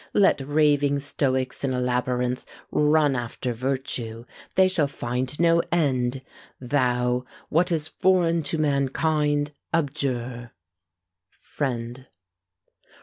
Let raving Stoics in a labyrinth Run after virtue; they shall find no end. Thou, what is foreign to mankind, abjure. FRIEND.